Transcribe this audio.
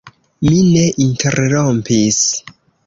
Mi ne interrompis.